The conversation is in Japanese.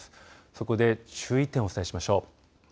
そこで注意点をお伝えしましょう。